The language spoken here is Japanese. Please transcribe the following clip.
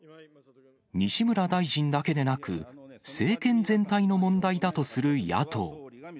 西村大臣だけでなく、政権全体の問題だとする野党。